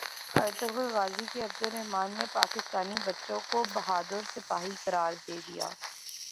Ertugrul Ghazi کے Abdulrahman نے پاکستانی بچوں کو بہادر سپاہی قرار دے دیا